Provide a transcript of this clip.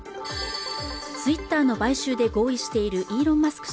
ツイッターの買収で合意しているイーロン・マスク